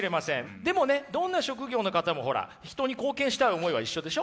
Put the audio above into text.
でもねどんな職業の方もほら人に貢献したい思いは一緒でしょ？